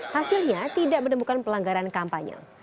hasilnya tidak menemukan pelanggaran kampanye